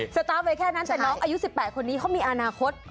สตาร์ฟไว้แค่นั้นแต่น้องอายุ๑๘คนนี้เขามีอนาคต